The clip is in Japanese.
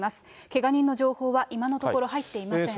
けが人の情報は今のところ入っていません。